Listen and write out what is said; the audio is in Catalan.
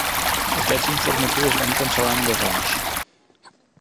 Aquests informatius es van cancel·lar en dos anys.